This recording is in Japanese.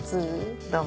どうも。